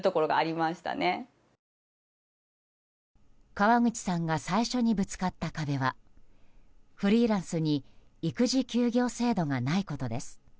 カワグチさんが最初にぶつかった壁はフリーランスに育児休業制度がないことです。